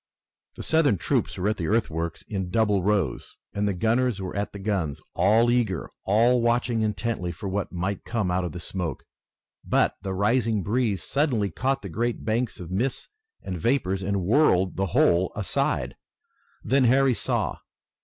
The Southern troops were at the earthworks in double rows, and the gunners were at the guns, all eager, all watching intently for what might come out of the smoke. But the rising breeze suddenly caught the great bank of mists and vapors and whirled the whole aside. Then Harry saw.